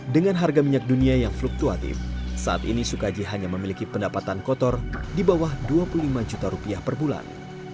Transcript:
dengan harga minyak dunia yang fluktuatif saat ini sukaji hanya memiliki pendapatan kotor di bawah dua puluh lima juta rupiah per bulan